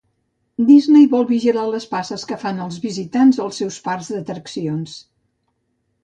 Disney vol vigilar les passes que fan els visitants als seus parcs d'atraccions.